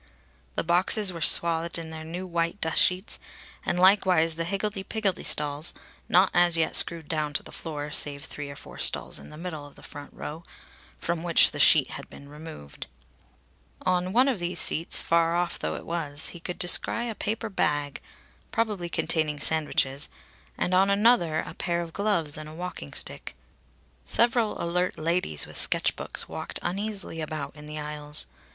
The boxes were swathed in their new white dust sheets; and likewise the higgledy piggledy stalls, not as yet screwed down to the floor, save three or four stalls in the middle of the front row, from which the sheet had been removed. On one of these seats, far off though it was, he could descry a paper bag, probably containing sandwiches, and on another a pair of gloves and a walking stick. Several alert ladies with sketchbooks walked uneasily about in the aisles.